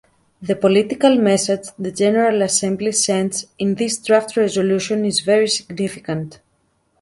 The political message the General Assembly sends in this draft resolution is very significant.